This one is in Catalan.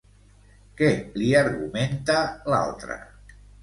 Què li argumenta l'altra?